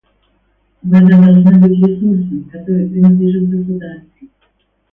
Вода должна быть ресурсом, который принадлежит государству.